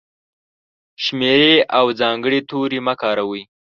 شمېرې او ځانګړي توري مه کاروئ!.